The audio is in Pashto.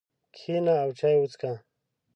کښېنه او چای وڅښه.